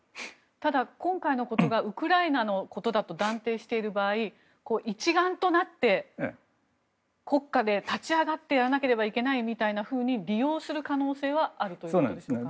ただ、今回のことをウクライナのことだと断定している場合一丸となって国家で立ち上がってやらなければいけないみたいなふうに利用する可能性はあるということでしょうか。